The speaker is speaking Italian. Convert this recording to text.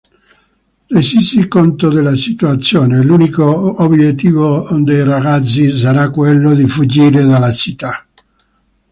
Resisi conto della situazione, l'unico obiettivo dei ragazzi sarà quello di fuggire dalla città.